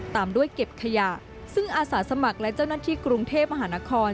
ตามด้วยเก็บขยะซึ่งอาสาสมัครและเจ้าหน้าที่กรุงเทพมหานคร